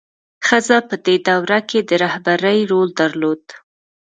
ښځه په دې دوره کې د رهبرۍ رول درلود.